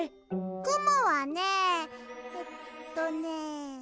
くもはねえっとね。